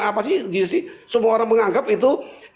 apa sih gc semua orang menganggap itu